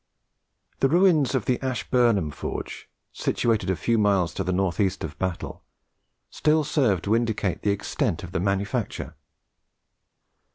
The ruins of the Ashburnham forge, situated a few miles to the north east of Battle, still serve to indicate the extent of the manufacture.